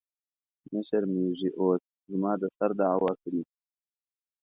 نه شرمېږې اوس زما د سر دعوه کړې.